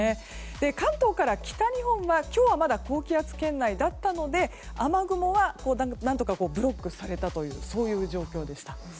関東から北日本は今日はまだ高気圧圏内だったので雨雲は何とかブロックされたというそういう状況でした。